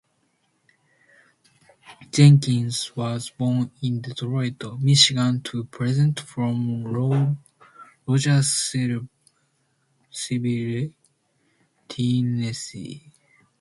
Jenkins was born in Detroit, Michigan to parents from Rogersville, Tennessee.